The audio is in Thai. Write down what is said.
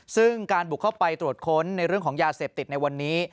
ซึ่งการบุกเข้าไปตรวจค้นในเรื่องของยาเสพติดในวันนี้